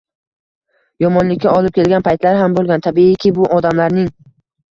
yomonlikka olib kelgan paytlar ham bo‘lgan. Tabiiy-ki, bu odamlarning